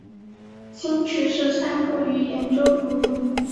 兴趣是散步与研究竹轮。